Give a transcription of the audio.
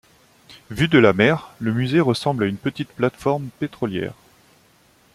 Vu de la mer, le musée ressemble à une petite plate-forme pétrolière.